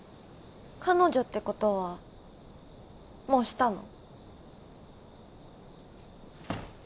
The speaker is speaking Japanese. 彼女ってことはもうシたの？